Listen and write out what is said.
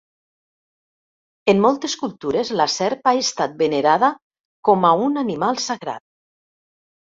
En moltes cultures la serp ha estat venerada com a un animal sagrat.